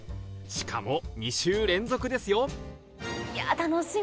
しかも２週連続ですよいや。